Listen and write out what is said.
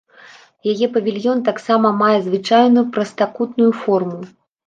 Яе павільён таксама мае звычайную прастакутную форму.